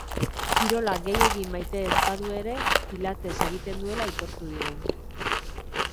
Kirola gehiegi maite ez badu ere, pilates egiten duela aitortu digu.